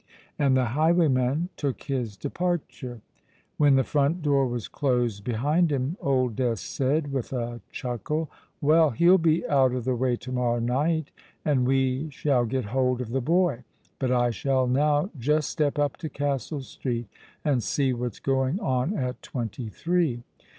And the highwayman took his departure. When the front door was closed behind him, Old Death said, with a chuckle, "Well, he'll be out of the way to morrow night; and we shall get hold of the boy. But I shall now just step up to Castle Street, and see what's going on at twenty three."